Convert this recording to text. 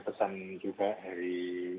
pesan juga dari